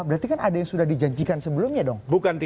berarti kan ada yang sudah dijanjikan sebelumnya dong